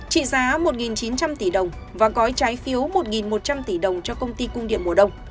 trị giá một chín trăm linh tỷ đồng và gói trái phiếu một một trăm linh tỷ đồng cho công ty cung điện mùa đông